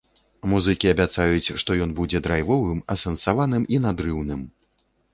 Музыкі абяцаюць, што ён будзе драйвовым, асэнсаваным і надрыўным.